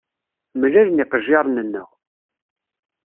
Mlalen yiqejjiren-nneɣ.